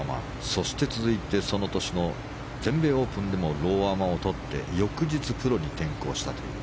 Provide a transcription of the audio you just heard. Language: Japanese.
そして続いてその年の全米オープンでもローアマを取って翌日、プロに転向したという。